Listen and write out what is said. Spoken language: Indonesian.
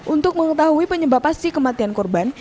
untuk mengetahui penyebab pasti kematian korban